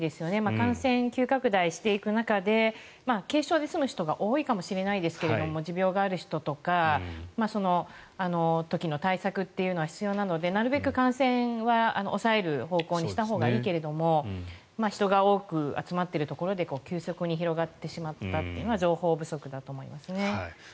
感染急拡大していく中で軽症で済む人が多いかもしれないですが持病がある人とかその時の対策というのは必要なのでなるべく感染は抑える方向にしたほうがいいけれども人が多く集まっているところで急速に広がってしまったというのは情報不足だと思いますね。